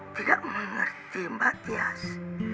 tidak mengerti mbak tias